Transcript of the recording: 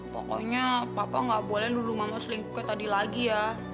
pokoknya papa gak boleh dulu mama selingkuh kayak tadi lagi ya